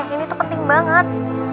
ini tuh penting banget